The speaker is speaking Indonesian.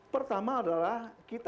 pertama adalah kita